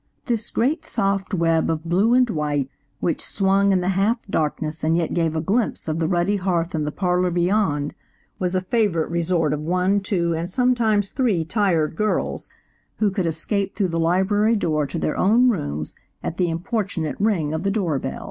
This great soft web of blue and white which swung in the half darkness and yet gave a glimpse of the ruddy hearth in the parlor beyond, was a favorite resort of one, two and sometimes three tired girls, who could escape through the library door to their own rooms at the importunate ring of the door bell.